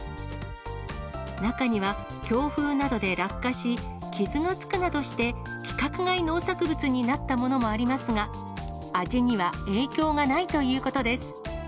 中には、強風などで落下し、傷がつくなどして規格外農作物になったものもありますが、味には影響がないということです。